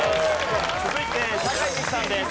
続いて酒井美紀さんです。